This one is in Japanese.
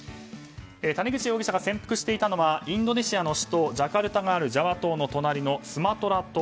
谷口容疑者が潜伏していたのはインドネシアの首都ジャカルタがあるジャワ島の隣のスマトラ島。